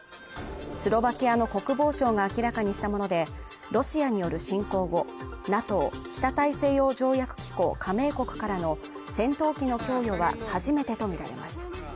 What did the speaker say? スロバキアの国防相が明らかにしたもので、ロシアによる侵攻後、ＮＡＴＯ＝北大西洋条約機構加盟国からの戦闘機の供与は初めてとみられます。